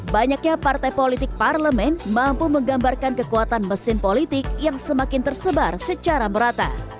banyaknya partai politik parlemen mampu menggambarkan kekuatan mesin politik yang semakin tersebar secara merata